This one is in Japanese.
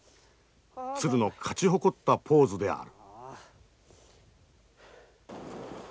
鶴の勝ち誇ったポーズである。